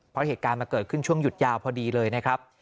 เพราะเกิดขึ้นช่วงหยุดยาวพอดีเลยนะครับ